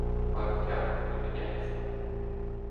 Паротяг зупиняється.